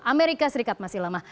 amerika serikat masih lemah